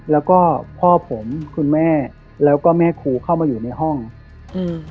แล้วก็พ่อผมคุณแม่แล้วก็แม่ครูเข้ามาอยู่ในห้องอืม